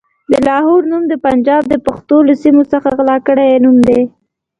د لاهور نوم پنجاب د پښتنو له سيمو څخه غلا کړی نوم دی.